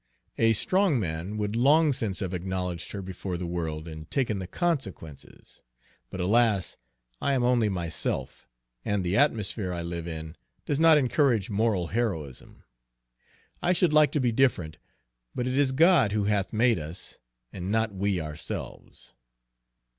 A strong man would long since have acknowledged her before the world and taken the consequences; but, alas! I am only myself, and the atmosphere I live in does not encourage moral heroism. I should like to be different, but it is God who hath made us, and not we ourselves!